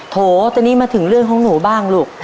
โถตอนนี้มาถึงเรื่องของหนูบ้างลูก